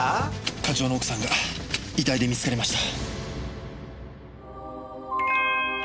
課長の奥さんが遺体で見つかりました。